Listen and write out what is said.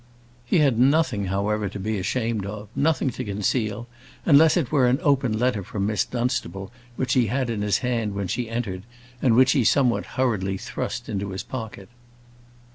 He had nothing, however, to be ashamed of; nothing to conceal, unless it were an open letter from Miss Dunstable which he had in his hand when she entered, and which he somewhat hurriedly thrust into his pocket.